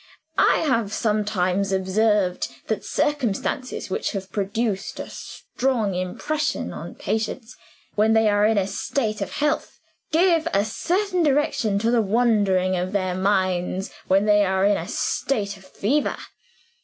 I have sometimes observed that circumstances which have produced a strong impression on patients, when they are in a state of health, give a certain direction to the wandering of their minds, when they are in a state of fever.